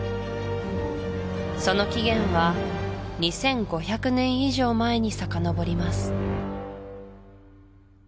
その起源は２５００年以上前にさかのぼります